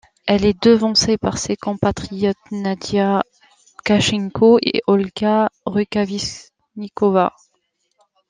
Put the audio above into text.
Elle est devancée par ses compatriotes Nadiya Tkachenko et Olga Rukavishnikova.